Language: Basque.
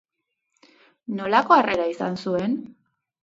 Nolako harrera izan zuen?